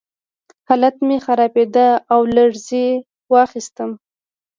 حالت مې خرابېده او لړزې واخیستم